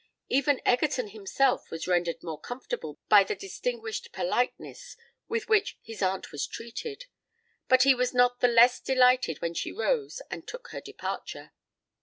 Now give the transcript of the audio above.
Even Egerton himself was rendered more comfortable by the distinguished politeness with which his aunt was treated; but he was not the less delighted when she rose and took her departure.